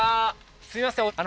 すいません